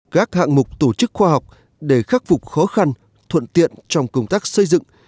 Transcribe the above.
các hạng mục tổ chức khoa học để khắc phục khó khăn thuận tiện trong công tác xây dựng